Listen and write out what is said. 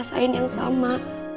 rasain yang sama